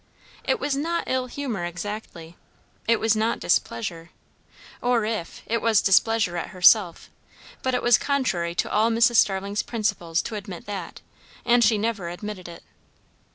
It was not ill humour exactly; it was not displeasure; or if, it was displeasure at herself, but it was contrary to all Mrs. Starling's principles to admit that, and she never admitted it.